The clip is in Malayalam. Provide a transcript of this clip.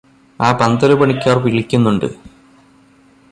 ആ പന്തലുപണിക്കാർ വിളിക്കുന്നുണ്ട്